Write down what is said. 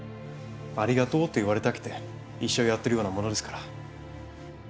「ありがとう」と言われたくて医者をやっているようなものですから。